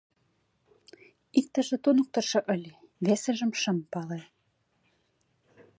Иктыже туныктышо ыле, весыжым шым пале.